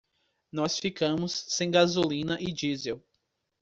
Nós ficamos sem gasolina e diesel.